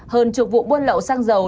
hơn chục vụ buôn lậu xăng dầu